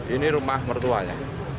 ini rumah mertuanya